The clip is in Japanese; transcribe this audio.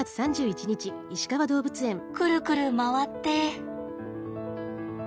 くるくる回って。